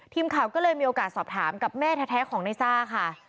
ทีมข่าวก็เลยมีโอกาสสอบถามกับแม่แท้ของในซ่าค่ะ